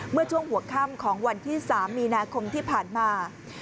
เมื่อช่วงหัวค่ำของวันที่๓มีนาคมที่ผ่านมา